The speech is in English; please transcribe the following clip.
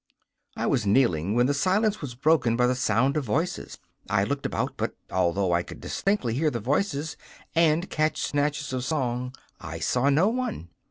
I was still kneeling when the silence was broken by the sound of voices. I looked about, but, although I could distinctly hear the voices and catch snatches of song, I saw no one.